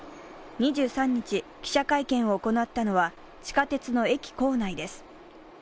２３日、記者会見を行ったのは地下鉄の駅構内です。